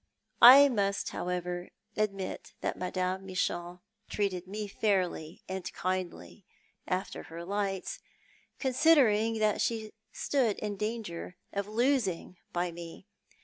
I must, however, admit that Mme. Michon treated me fairly and kindly, after her lights, con sidering that she stood in danger of losing by me.